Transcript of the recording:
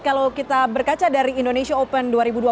kalau kita berkaca dari indonesia open